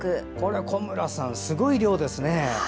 小村さん、すごい量ですね。